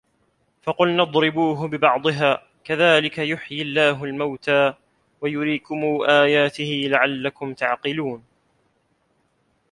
فَقُلْنَا اضْرِبُوهُ بِبَعْضِهَا ۚ كَذَٰلِكَ يُحْيِي اللَّهُ الْمَوْتَىٰ وَيُرِيكُمْ آيَاتِهِ لَعَلَّكُمْ تَعْقِلُونَ